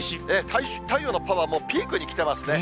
太陽のパワー、もうピークにきてますね。